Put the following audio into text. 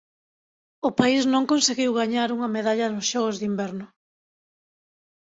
O país non conseguiu gañar unha medalla nos Xogos de Inverno.